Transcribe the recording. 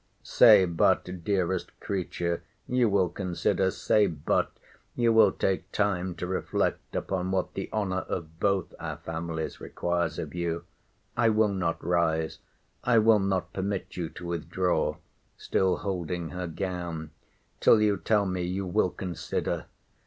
Say but, dearest creature, you will consider—say but you will take time to reflect upon what the honour of both our families requires of you. I will not rise. I will not permit you to withdraw [still holding her gown] till you tell me you will consider.